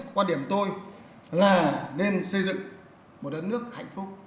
quan điểm tôi là nên xây dựng một đất nước hạnh phúc